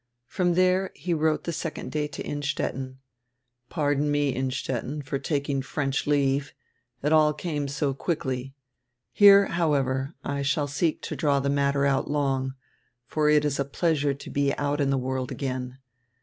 From diere he wrote the second day to Innstetten: "Pardon me, Innstetten, for taking French leave. It all came so quickly. Here, however, I shall seek to draw die matter out long, for it is a pleasure to be out in die world again.